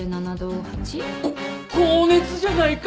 こっ高熱じゃないか！